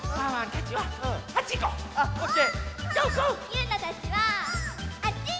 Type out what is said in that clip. ゆうなたちはあっち！